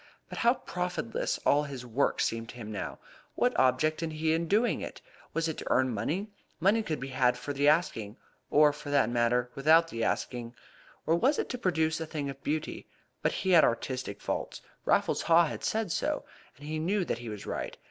But how profitless all his work seemed to him now! What object had he in doing it? Was it to earn money? Money could be had for the asking, or, for that matter, without the asking. Or was it to produce a thing of beauty? But he had artistic faults. Raffles Haw had said so, and he knew that he was right.